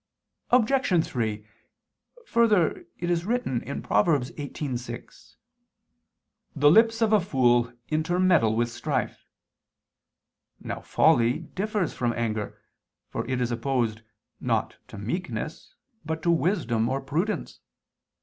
Obj. 3: Further, it is written (Prov. 18:6): "The lips of a fool intermeddle with strife." Now folly differs from anger, for it is opposed, not to meekness, but to wisdom or prudence.